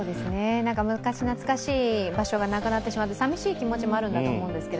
昔懐かしい場所がなくなってしまってさみしい気持ちもあるんだと思うんですけど